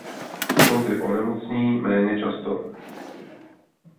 Kozy onemocní méně často.